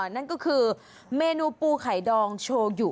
นั่นก็คือเมนูปูไข่ดองโชยุ